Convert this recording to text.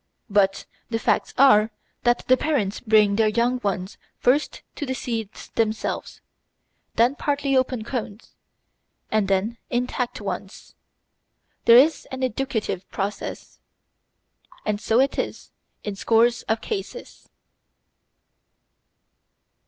But the facts are that the parents bring their young ones first the seeds themselves, then partly opened cones, and then intact ones. There is an educative process, and so it is in scores of cases.